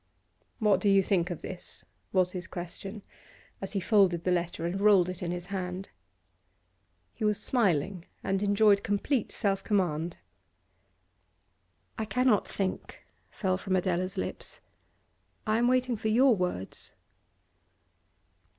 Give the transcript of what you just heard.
'What do you think of this?' was his question, as he folded the letter and rolled it in his hand. He was smiling, and enjoyed complete self command. 'I cannot think,' fell from Adela's lips. 'I am waiting for jour words.